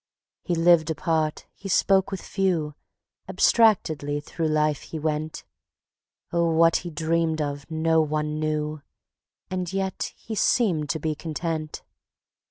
He lived apart, he spoke with few; Abstractedly through life he went; Oh, what he dreamed of no one knew, And yet he seemed to be content.